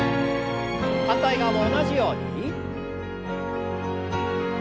反対側も同じように。